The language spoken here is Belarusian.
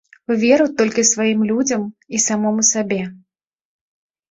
Веру толькі сваім людзям і самому сабе.